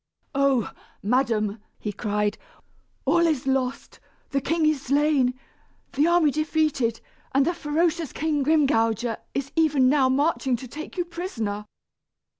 "Oh! madam," he cried, "all is lost. The king is slain, the army defeated, and the ferocious King Grimgouger is even now marching to take you prisoner."